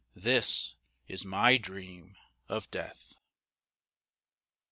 This is my dream of Death.